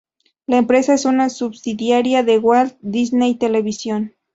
La empresa es una subsidiaria de Walt Disney Television.